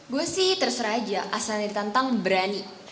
gue sih terserah aja asal nari tantang berani